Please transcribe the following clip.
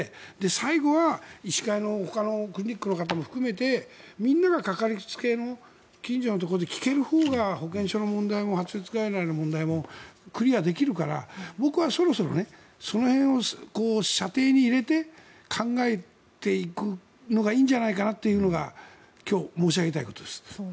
最後は医師会のほかのクリニックの方も含めてみんなが、かかりつけの近所のところで聞けるほうが保健所の問題も発熱外来の問題もクリアできるから僕はそろそろその辺を射程に入れて考えていくのがいいんじゃないかなというのが今日、申し上げたいことです。